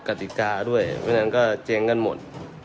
กติกาด้วยเพราะฉะนั้นก็เจ๊งกันหมด